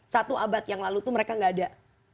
satu abad yang lalu tuh mereka gak ada